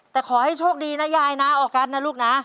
แต่ขอให้โชคดีนะยายนะออกัสนะลูกนะ